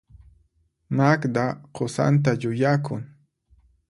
Magda qusanta yuyakun.